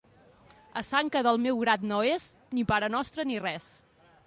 A sant que del meu grat no és, ni parenostre ni res.